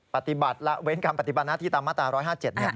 ปฏิบัติละเว้นการปฏิบัติหน้าที่ตามมาตรา๑๕๗